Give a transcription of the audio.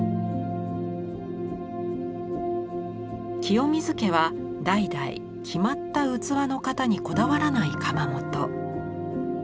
清水家は代々決まった器の型にこだわらない窯元。